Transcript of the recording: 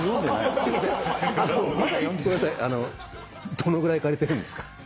どのぐらい借りてるんですか？